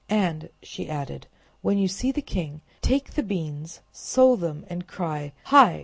"And," she added, "when you see the king, take the beans, sow them, and cry, 'Hi!